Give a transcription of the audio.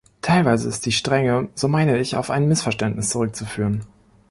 Teilweise ist die Strenge, so meine ich, auf ein Missverständnis zurückzuführen.